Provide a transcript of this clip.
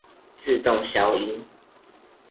自動消音